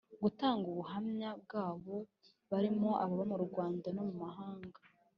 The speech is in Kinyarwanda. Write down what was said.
gutanga ubuhamya bwabo barimo ababa mu Rwanda no mu mahanga